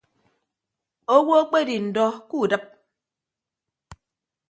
Owo akpedi ndọ kudịp.